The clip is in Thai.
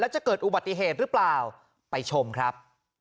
จะเกิดอุบัติเหตุหรือเปล่าไปชมครับ